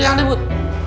udah diam bud